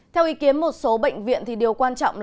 theo ý kiến một số bệnh viện thì điều quan trọng